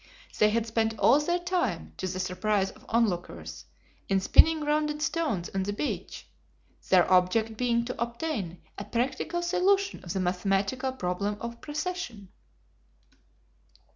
They had spent all their time, to the surprise of onlookers, in spinning rounded stones on the beach, their object being to obtain a practical solution of the mathematical problem of "precession."